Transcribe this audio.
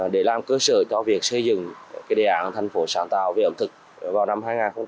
để làm cơ sở cho việc xây dựng đề án thành phố sáng tạo về ẩm thực vào năm hai nghìn hai mươi